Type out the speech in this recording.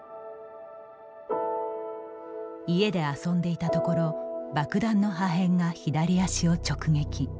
家で遊んでいたところ爆弾の破片が左足を直撃。